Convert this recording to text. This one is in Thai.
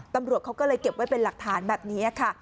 ตำรวจเขาก็เลยเก็บไว้เป็นหลักฐานแบบนี้ค่ะ